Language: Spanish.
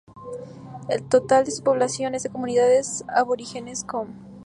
El total de su población es de comunidades aborígenes kom.